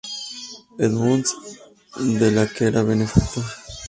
Edmunds de la que era benefactor.